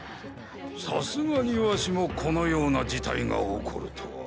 さすがにわしもこのような事態が起こるとは。